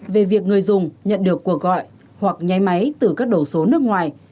về việc người dùng nhận được cuộc gọi hoặc nháy máy từ các đầu số nước ngoài